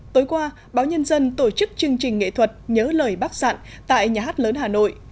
tối qua báo nhân dân tổ chức chương trình nghệ thuật nhớ lời bác sạn tại nhà hát lớn hà nội